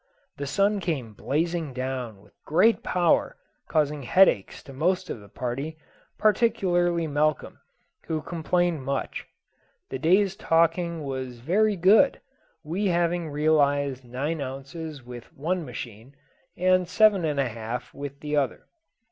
The sun came blazing down with great power, causing headaches to most of the party, particularly Malcolm, who complained much. The day's taking was very good; we having realised nine ounces with one machine, and seven and a half with the other.